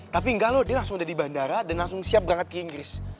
tapi enggak loh dia langsung udah di bandara dan langsung siap banget ke inggris